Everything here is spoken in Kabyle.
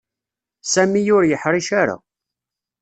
Sami ur yeḥṛic ara.